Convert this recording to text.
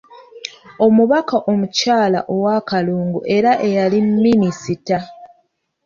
Omubaka omukyala owa Kalungu era eyali Minisita.